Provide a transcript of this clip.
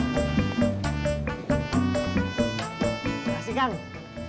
terima kasih kang